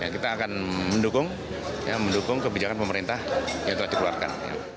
kita akan mendukung kebijakan pemerintah yang telah dikeluarkan